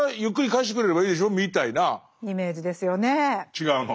違うの？